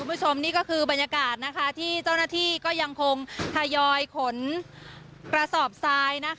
คุณผู้ชมนี่ก็คือบรรยากาศที่เจ้าหน้าที่ก็ยังคงทยอยขนกระสอบทราย